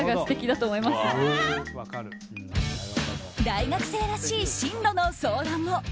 大学生らしい進路の相談も。